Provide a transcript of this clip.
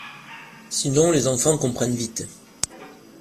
Sinon les enfants comprennent vite.